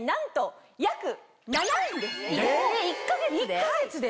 １か月で？